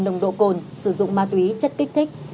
nồng độ cồn sử dụng ma túy chất kích thích